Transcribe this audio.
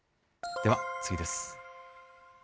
では次です。